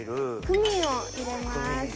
クミンを入れます。